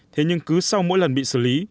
thế nhưng cứ sau mỗi lần bị xử lý